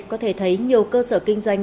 có thể thấy nhiều cơ sở kinh doanh